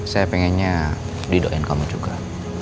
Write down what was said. saya pengennya didoain kamu juga